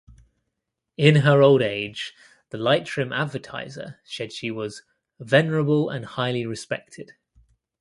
In her old age the "Leitrim Advertiser" said she was "venerable and highly respected".